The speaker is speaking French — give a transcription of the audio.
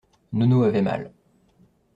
Nono avait mal.